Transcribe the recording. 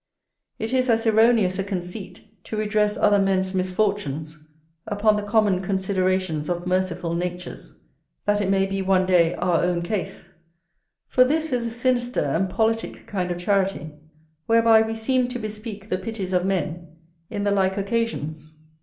It is as erroneous a conceit to redress other men's misfortunes upon the common considerations of merciful natures, that it may be one day our own case; for this is a sinister and politick kind of charity, whereby we seem to bespeak the pities of men in the like occasions.